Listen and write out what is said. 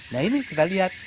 nah ini kita lihat